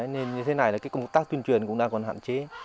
nên như thế này công tác tuyên truyền cũng đang còn hạn chế